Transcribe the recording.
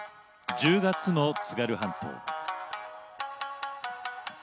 １０月の津軽半島。